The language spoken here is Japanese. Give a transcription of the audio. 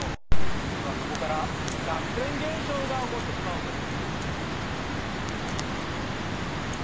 実はここから逆転現象が起こってしまうんです！